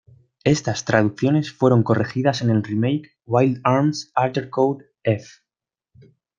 Estas traducciones fueron corregidas en el "remake", "Wild Arms Alter Code: F".